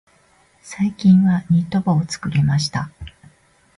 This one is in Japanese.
最近はニット帽を作りました。